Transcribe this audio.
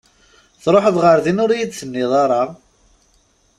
Tṛuḥeḍ ɣer din ur iyi-d-tenniḍ ara!